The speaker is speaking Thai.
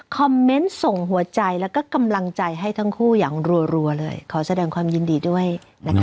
เมนต์ส่งหัวใจแล้วก็กำลังใจให้ทั้งคู่อย่างรัวเลยขอแสดงความยินดีด้วยนะคะ